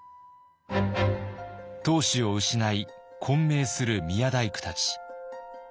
当主を失い混迷する宮大工たち。